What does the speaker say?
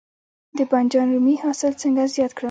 د بانجان رومي حاصل څنګه زیات کړم؟